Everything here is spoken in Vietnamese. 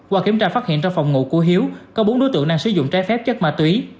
qua kiểm tra phát hiện trong phòng ngủ của hiếu có bốn đối tượng đang sử dụng trái phép chất ma túy